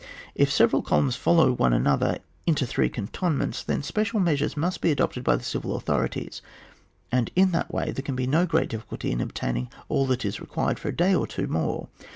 If several columns follow one another into these cantonments, then special measures must be adopted by the civil authorities, and in that way there can be no great difficulty in obtaining all that is required for a day or two more.